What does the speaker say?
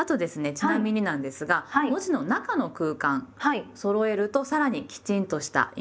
ちなみになんですが文字の中の空間そろえるとさらにきちんとした印象になります。